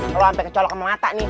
kalau sampai kecolok ke mata nih